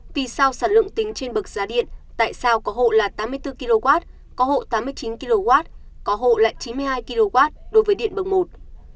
vì sao sản lượng tính trên bậc giá điện tại sao có hộ là tám mươi bốn kw có hộ tám mươi chín kw có hộ là chín mươi hai kw đối với điện bậc một